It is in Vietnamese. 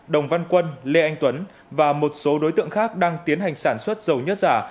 đồng văn quân lê anh tuấn và một số đối tượng khác đang tiến hành sản xuất dầu nhất giả